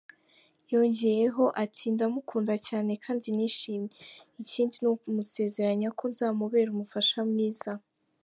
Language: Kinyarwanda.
Yongeyeho ati "Ndamukunda cyane kandi nishimye, ikindi ni ukumusezeranya ko nzamubera umufasha mwiza.